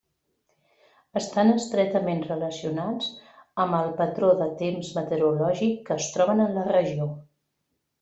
Estan estretament relacionats amb el patró de temps meteorològic que es troben en la regió.